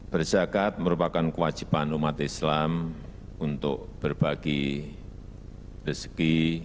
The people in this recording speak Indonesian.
berzakat merupakan kewajiban umat islam untuk berbagi rezeki